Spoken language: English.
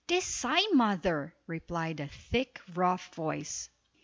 "'Tis I, mother," replied a thick, rough voice.